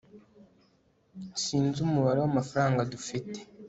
sinzi umubare w'amafaranga dufite